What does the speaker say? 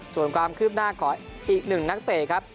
ส่วนความคืบหน้าของอีกหนึ่งนักเตะครับ